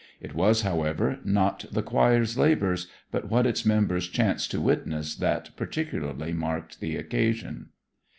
It was, however, not the choir's labours, but what its members chanced to witness, that particularly marked the occasion.